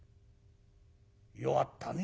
「弱ったね」。